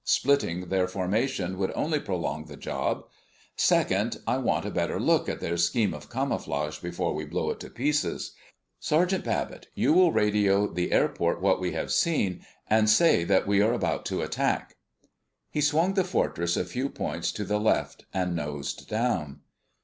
Splitting their formation would only prolong the job.... Second, I want a better look at their scheme of camouflage before we blow it to pieces.... Sergeant Babbitt, you will radio the airport what we have seen, and say that we are about to attack." He swung the Fortress a few points to the left and nosed down.